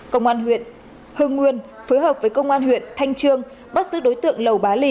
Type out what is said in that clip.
công an huyện hưng nguyên phối hợp với công an huyện thanh trương bắt giữ đối tượng lầu bá lì